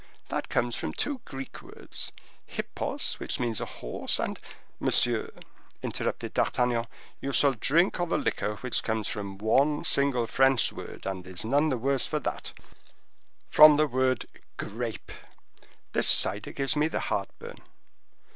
That comes from two Greek words—hippos, which means a horse, and—" "Monsieur," interrupted D'Artagnan, "you shall drink of a liquor which comes from one single French word, and is none the worse for that—from the word grape; this cider gives me the heartburn.